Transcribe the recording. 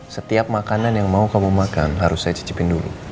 setiap makanan yang mau kamu makan harus saya cicipin dulu